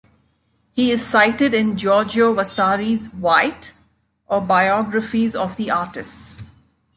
He is cited in Giorgio Vasari's "Vite" or biographies of the artists.